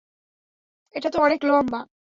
এটা তো অনেক লম্বা।